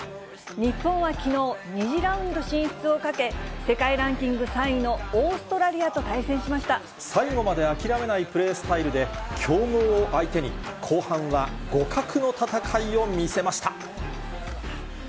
日本はきのう、２次ラウンド進出をかけ、世界ランキング３位のオーストラリアと最後まで諦めないプレースタイルで、強豪を相手に後半は互角の戦いを見せました。